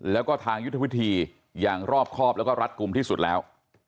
แล้วก็ทางยุทธวิธีอย่างรอบครอบแล้วก็รัดกลุ่มที่สุดแล้ว